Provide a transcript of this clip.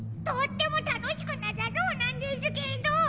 とってもたのしくなさそうなんですけど。